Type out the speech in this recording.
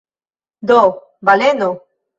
Do – baleno!